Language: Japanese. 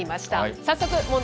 早速、問題